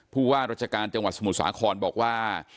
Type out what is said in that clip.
ผู้ว่าราชการจังหวัดสมุทรสาครบอกว่า